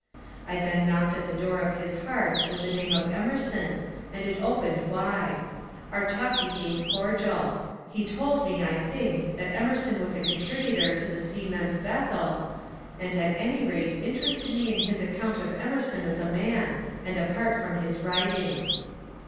I then knocked at the door of his heart with the name of Emerson, and it opened wide. Our talk became cordial. He told me, I think, that Emerson was a contributor to the Seamen's Bethel, and at any rate interested me in his account of Emerson as a man, and apart from his writings.